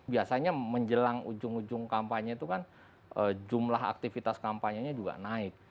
biasanya menjelang ujung ujung kampanye itu kan jumlah aktivitas kampanye nya juga naik